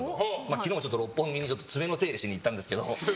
昨日、六本木に爪の手入れをしに行ったんですけど。